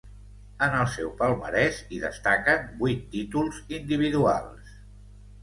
En el seu palmarès hi destaquen vuit títols individuals.